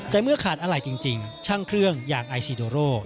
แต่เมื่อขาดอะไรจริงช่างเครื่องอย่างไอซีโดโร